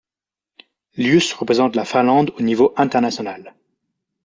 Lius représente la Finlande au niveau international.